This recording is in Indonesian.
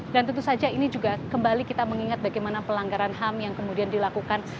dan tentu saja ini juga kembali kita mengingat bagaimana pelanggaran ham yang kemudian dilakukan